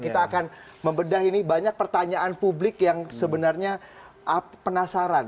kita akan membedah ini banyak pertanyaan publik yang sebenarnya penasaran